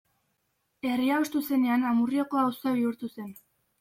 Herria hustu zenean Amurrioko auzoa bihurtu zen.